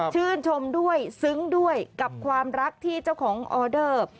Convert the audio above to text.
ชื่นชมด้วยซึ้งด้วยกับความรักที่เจ้าของออเดอร์